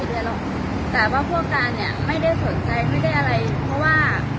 หรอกแต่ว่าพวกการเนี่ยไม่ได้สนใจไม่ได้อะไรเพราะว่า